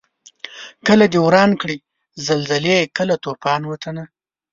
کله دي وران کړي زلزلې کله توپان وطنه